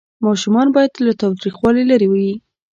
ماشومان باید له تاوتریخوالي لرې وي.